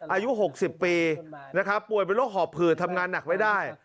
อายุ๖๐ปีนะครับป่วยเป็นโรคหอบผืดทำงานหนักไม่ได้